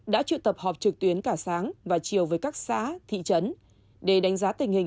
đã trự tập họp trực tuyến cả sáng và chiều với các xã thị trấn để đánh giá tình hình